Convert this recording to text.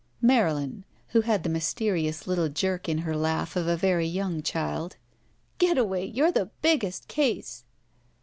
Marylin (who had the mysterious little jerk in her laugh of a very young child) :'* Getaway, you're the biggest case!"